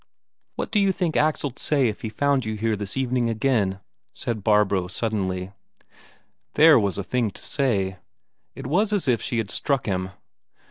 "What d'you think Axel'd say if he found you here this evening again?" said Barbro suddenly. There was a thing to say! It was as if she had struck him.